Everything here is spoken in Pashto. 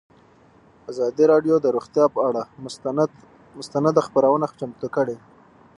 ازادي راډیو د روغتیا پر اړه مستند خپرونه چمتو کړې.